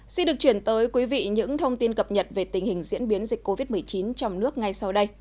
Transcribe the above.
xin được chuyển tới quý vị những thông tin cập nhật về tình hình diễn biến dịch covid một mươi chín trong nước ngay sau đây